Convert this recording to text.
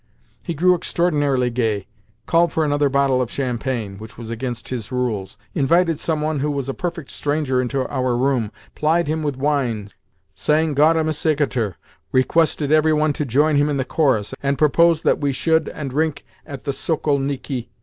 He grew extraordinarily gay, called for another bottle of champagne (which was against his rules), invited some one who was a perfect stranger into our room, plied him with wine, sang "Gaudeamus igitur," requested every one to join him in the chorus, and proposed that we should and rink at the Sokolniki.